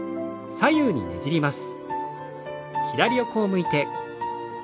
左右にねじります。